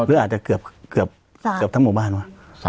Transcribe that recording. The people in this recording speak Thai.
หรืออาจจะเกือบทั้งหมู่บ้านวะ